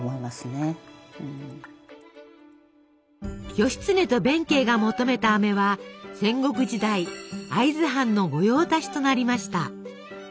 義経と弁慶が求めたあめは戦国時代会津藩の御用達となりました。